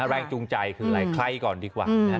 แรงจูงใจคือคลัยก่อนดีกว่า